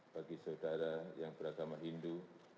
bagi saudara yang beragama hindu